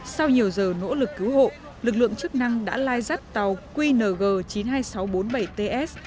sau nhiều giờ nỗ lực cứu hộ lực lượng chức năng đã lai rắt tàu qng chín mươi hai nghìn sáu trăm bốn mươi bảy ts